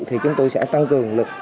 thì chúng tôi sẽ tăng cường lực